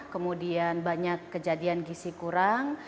kemudian banyak kejadian gisi kurang